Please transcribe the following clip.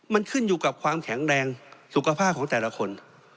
มันขึ้นอยู่กับความแข็งแรงสุขภาพของแต่ละคน